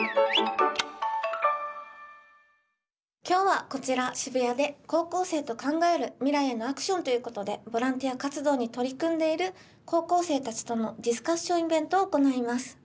今日はこちら渋谷で高校生と考える未来へのアクションということでボランティア活動に取り組んでいる高校生たちとのディスカッションイベントを行います。